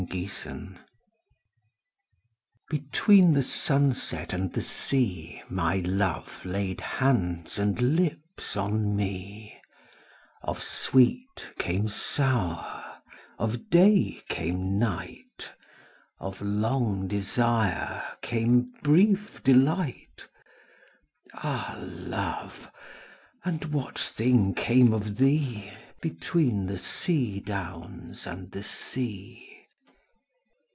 ┬Ā┬ĀBetween the sunset and the sea ┬Ā┬ĀMy love laid hands and lips on me; ┬Ā┬ĀOf sweet came sour, of day came night, ┬Ā┬ĀOf long desire came brief delight: ┬Ā┬ĀAh love, and what thing came of thee ┬Ā┬ĀBetween the sea downs and the sea?